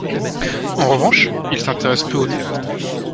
En revanche, il s'intéresse peu au théâtre.